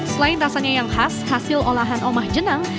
selain rasanya yang khas hasil olahan omah jenang